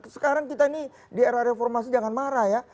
sekarang kita ini di era reformasi jangan marah ya